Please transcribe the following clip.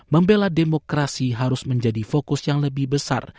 membela demokrasi harus menjadi fokus yang lebih besar